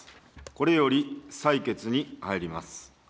これより採決に入ります。